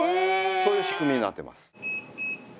そういう仕組みになってます。